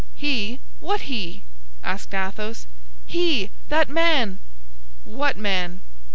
"He? What he?" asked Athos. "He, that man!" "What man?"